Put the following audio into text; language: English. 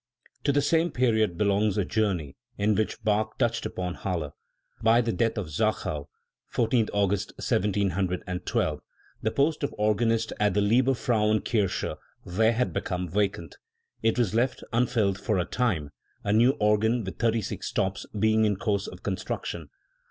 To the same period belongs a journey in which Bach touched upon Halle. By the death of Zachau (i4th August 1712), the post of organist at the Liebfrauenkirche there had become vacant. It was left unfilled for a time, a new organ, with thirty six stops, being in course of construc tion.